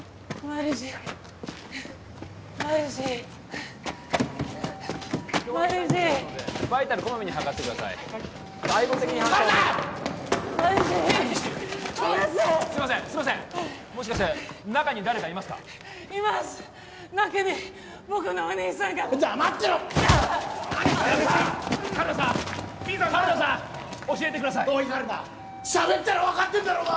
おいカルナしゃべったら分かってんだろうな？